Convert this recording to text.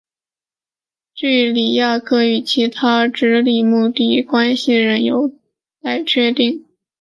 锯脂鲤亚科与其他脂鲤目的关系仍有待确定。